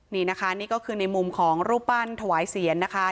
นี่นะคะนี่ก็คือในมุมของรูปปั้นถวายเสียรนะคะ